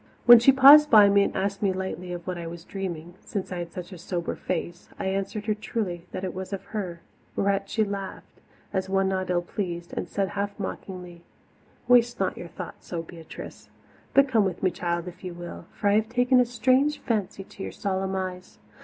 When she paused by me and asked me lightly of what I was dreaming, since I had such a sober face, I answered her truly that it was of her whereat she laughed, as one not ill pleased, and said half mockingly: "Waste not your thoughts so, little Beatrice. But come with me, child, if you will, for I have taken a strange fancy to your solemn eyes.